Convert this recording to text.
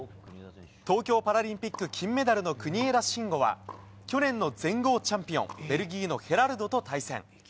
東京パラリンピック金メダルの国枝慎吾は去年の全豪チャンピオンベルギーのヘラルドと対戦。